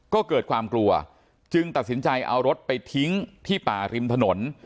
ก็เกิดความกลัวจึงตัดสินใจเอารถไปทิ้งที่ป่าริมถนน